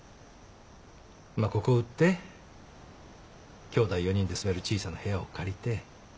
まあここを売ってきょうだい４人で住める小さな部屋を借りて。